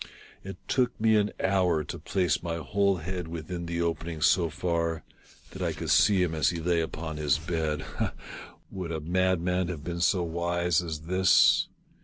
It took me an hour to place my whole head within the opening so far that I could see him as he lay upon his bed. Ha !— would a madman have been so wise as this